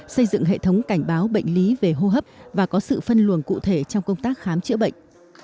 xây dựng hệ thống cảnh báo bệnh lý về hô hấp và có sự phân luồng cụ thể trong công tác khám chữa bệnh